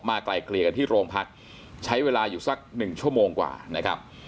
ไกลเกลี่ยกันที่โรงพักใช้เวลาอยู่สักหนึ่งชั่วโมงกว่านะครับ